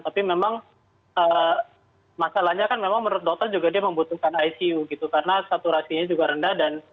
tapi memang masalahnya kan memang menurut dokter juga dia membutuhkan icu gitu karena saturasinya juga rendah